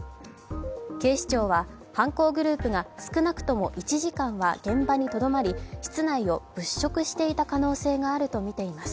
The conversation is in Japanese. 警視庁は犯行グループが少なくとも１時間は現場にとどまり、室内を物色していた可能性があるとみています。